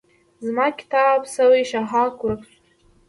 زما کتاب ښوی ښهاک ورک شو.